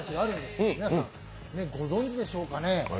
皆さん、ご存じでしょうかね？